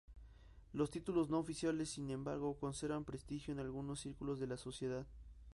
Los títulos no oficiales, sin embargo, conservan prestigio en algunos círculos de la sociedad.